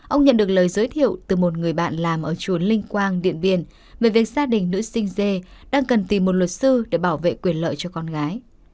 ông nhận được lời giới thiệu từ một người bạn làm ở chùa linh quang điện biên về việc gia đình nữ sinh dê đang cần tìm một luật sư để bảo vệ quyền lợi cho con gái